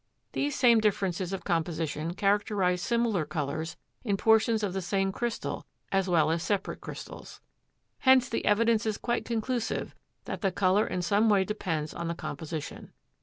These same differences of composition characterize similar colors in portions of the same crystal as well as separate crystals. Hence the evidence is quite conclusive that the color in some way depends on the composition.